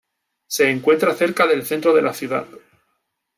Se encuentra cerca del centro de la ciudad.